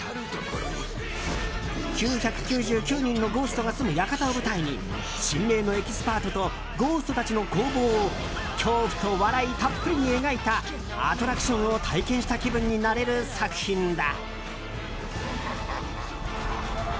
９９９人のゴーストが住む館を舞台に心霊のエキスパートとゴーストたちの攻防を恐怖と笑いたっぷりに描いたアトラクションを体験した気分になれる作品だ。